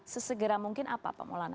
sesegera mungkin apa pak maulana